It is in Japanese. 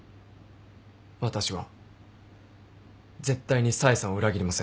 私は絶対に冴さんを裏切りません。